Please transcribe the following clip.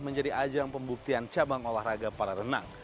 menjadi ajang pembuktian cabang olahraga para renang